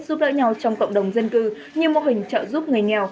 giúp đỡ nhau trong cộng đồng dân cư như mô hình trợ giúp người nghèo